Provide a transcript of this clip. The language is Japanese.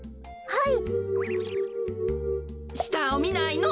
はい。